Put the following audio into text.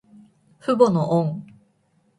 父母の恩。